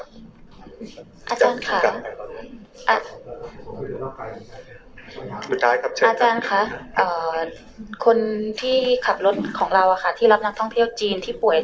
อาจารย์ค่ะคนที่ขับรถของเราอ่ะค่ะที่รับนักท่องเที่ยวจีนที่ป่วย